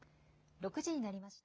６時になりました。